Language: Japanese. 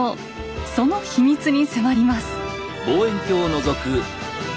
その秘密に迫ります。